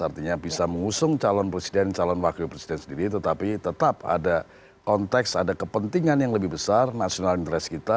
artinya bisa mengusung calon presiden calon wakil presiden sendiri tetapi tetap ada konteks ada kepentingan yang lebih besar nasional interest kita